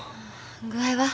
具合は？